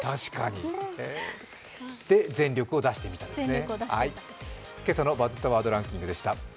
で、全力を出してみたですね